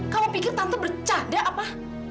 kamu pikir tante bercanda apa